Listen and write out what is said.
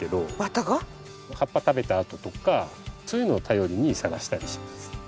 葉っぱ食べた跡とかそういうのを頼りに探したりします。